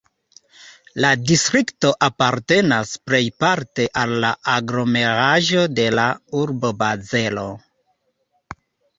La distrikto apartenas plejparte al la aglomeraĵo de la urbo Bazelo.